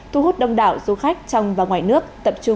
thu hút đông đảo du khách trong và ngoài nước